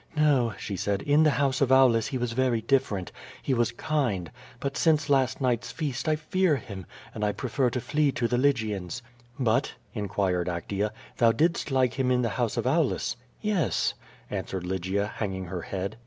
"No," she said, "in the house of Aulus he was very different; he was kind, but since last night's feast I fear him, and I prefer to flee to the Lygians." "But," inquired Actea, "thou didst like him in the house of Aulus?" "Yes," answered Lygia, hanging her head.